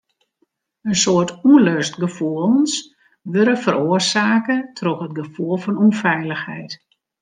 In soad ûnlustgefoelens wurde feroarsake troch it gefoel fan ûnfeilichheid.